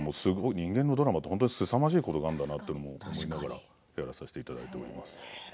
人間のドラマってすさまじいものがあるんだなとやらさせていただいています。